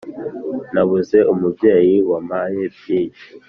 nabuze umubyeyi wampaye byinshi